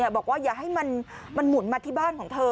บอกว่าอย่าให้มันหมุนมาที่บ้านของเธอ